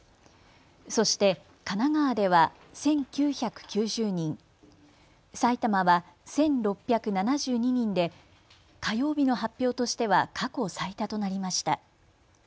そして神奈川では１９９０人、埼玉は１６７２人で火曜日の発表としては過去最多となりました。